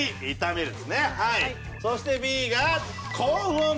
そしてＢが。